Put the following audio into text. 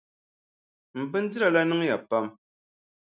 M bindira la niŋya pam.